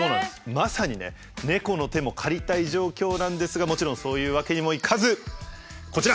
まさにね猫の手も借りたい状況なんですがもちろんそういうわけにもいかずこちら！